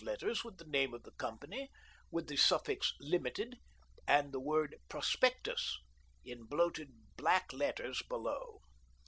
V,7 letters with the name of the company, with the suffix "limited" and the word "prospectus" in bloated black letter below.